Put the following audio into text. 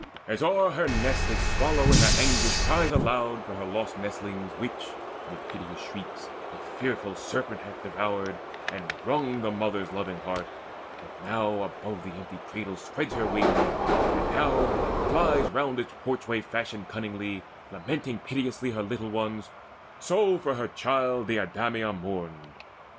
As o'er her nest A swallow in her anguish cries aloud For her lost nestlings which, mid piteous shrieks, A fearful serpent hath devoured, and wrung The loving mother's heart; and now above That empty cradle spreads her wings, and now Flies round its porchway fashioned cunningly Lamenting piteously her little ones: So for her child Deidameia mourned.